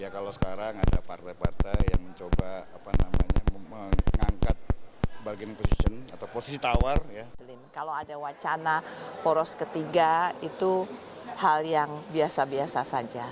kalau ada wacana poros ketiga itu hal yang biasa biasa saja